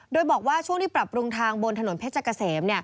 โดยบอกว่าช่วงที่ปรับปรุงทางบนถนนเพชรเกษม